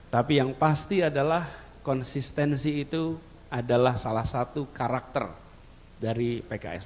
tapi yang pasti adalah konsistensi itu adalah salah satu karakter dari pks